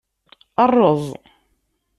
Rreẓ.